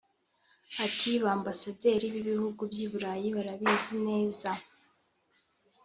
Ati “ Ba Ambasaderi b’ibihugu by’i Burayi barabizi neza